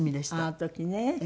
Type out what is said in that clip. あの時ね。